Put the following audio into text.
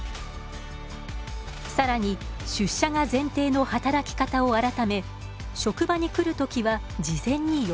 更に出社が前提の働き方を改め職場に来る時は事前に予約。